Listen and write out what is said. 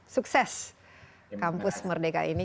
sukses kampus merdeka ini